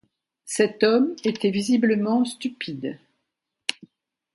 Cet homme était visiblement stupide.